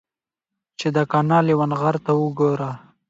چې دا قانع لېونغرته وګوره.